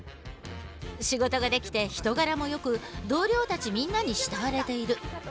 仕事ができて人柄もよく同僚たちみんなに慕われている。